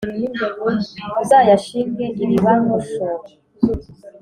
Uzayashinge iriba ngushoye.